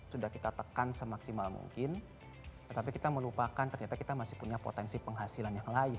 sudah kita tekan semaksimal mungkin tetapi kita melupakan ternyata kita masih punya potensi penghasilan yang lain